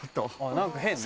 何か変ね。